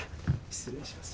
失礼します。